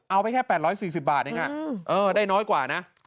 เอาไปแค่๘๔๐บาทเองได้น้อยกว่านะ